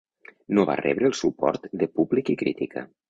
No va rebre el suport de públic i crítica.